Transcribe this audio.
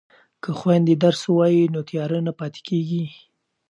که خویندې درس ووایي نو تیاره نه پاتې کیږي.